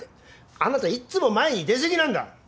あなたいっつも前に出過ぎなんだ！